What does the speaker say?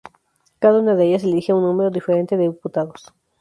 Cada una de ellas elige a un número diferente de diputados.